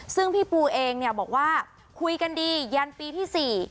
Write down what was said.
ซึ่งพี่ปูเองเนี่ยบอกว่าคุยกันดียันปีที่๔